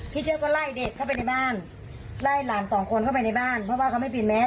เจอก็ไล่เด็กเข้าไปในบ้านไล่หลานสองคนเข้าไปในบ้านเพราะว่าเขาไม่กินแมส